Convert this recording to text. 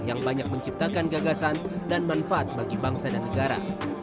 yang banyak menciptakan gagasan dan manfaat bagi bangsa dan negara